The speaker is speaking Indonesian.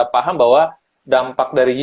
paham bahwa dampak dari